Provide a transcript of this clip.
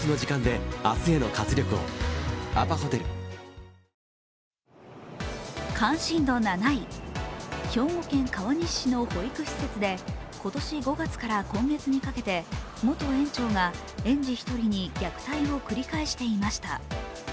来年の大舞台に向けて兵庫県川西市の保育施設で今年５月から今月にかけて元園長が園児１人に虐待を繰り返していました。